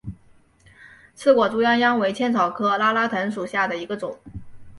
刺果猪殃殃为茜草科拉拉藤属下的一个种。